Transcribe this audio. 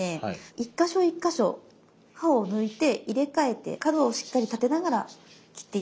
一か所一か所刃を抜いて入れ替えて角をしっかり立てながら切っていって下さい。